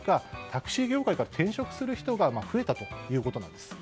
タクシー業界から転職する人が増えたということです。